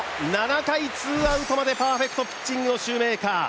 ７回ツーアウトまでパーフェクトピッチングのシューメーカー。